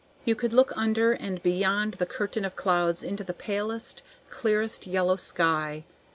You could look under and beyond the curtain of clouds into the palest, clearest yellow sky.